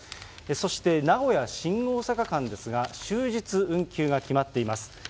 そして、名古屋・新大阪間ですが、終日運休が決まっています。